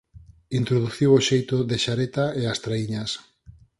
Introduciu o xeito de xareta e as traíñas.